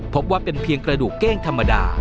พบว่าเป็นเพียงกระดูกเก้งธรรมดา